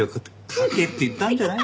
書けって言ったんじゃない？